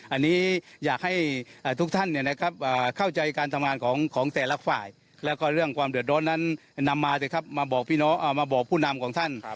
อันนี้อยากให้ทุกท่านเนี่ยครับเข้าใจการทำงานของของแต่ละฝ่ายและก็เรื่องความเดือดร้อนนั้นนำมาด้วยครับมาบอกพี่น้องมาบอกผู้นำ